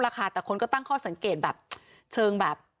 ค่ะแต่คนก็ตั้งข้อสังเกตแบบเชิงแบบ